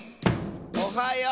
「おはよう！」